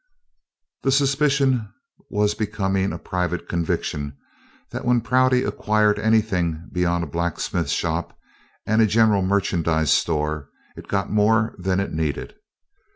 The suspicion was becoming a private conviction that when Prouty acquired anything beyond a blacksmith shop and a general merchandise store it got more than it needed.